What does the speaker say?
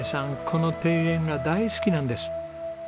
この庭園が大好きなんです。